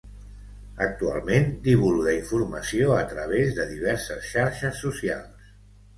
Actualment, divulga informació a través de diverses xarxes socials: